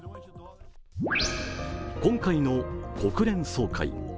今回の国連総会。